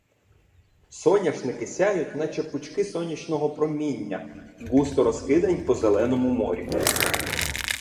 Соняшники сяють, наче пучки сонячного проміння, густо розкидані по зеленому морі.